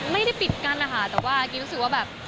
ไม่ได้ปิดกั้นนะคะแต่ว่ากิ๊บรู้สึกว่าแบบ